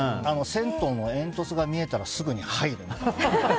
銭湯の煙突が見えたらすぐに入るという。